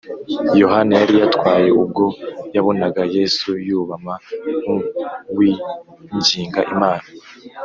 Yohana yari yatwawe ubwo yabonaga Yesu yubama nk’uwinginga Imana